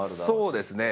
そうですね。